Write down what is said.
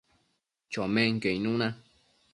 chomenquio icnuna